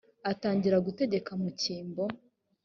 atangira gutegeka mu cyimbo